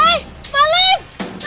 malin jangan lupa